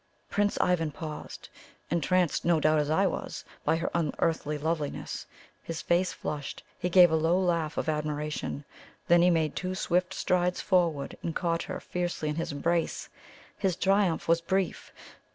Prince Ivan paused entranced no doubt, as I was, by her unearthly loveliness. His face flushed he gave a low laugh of admiration. Then he made two swift strides forward and caught her fiercely in his embrace. His triumph was brief.